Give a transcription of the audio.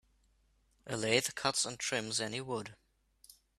A lathe cuts and trims any wood.